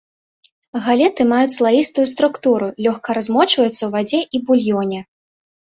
Галеты маюць слаістую структуру, лёгка размочваюцца ў вадзе і булёне.